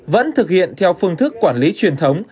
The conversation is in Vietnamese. vẫn thực hiện theo phương thức quản lý truyền thống